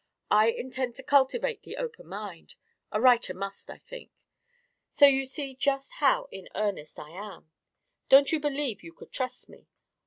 I intend to cultivate the open mind; a writer must, I think. So you see just how in earnest I am. Don't you believe you could trust me?